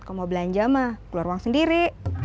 kamu belanja mah keluar uang sendiri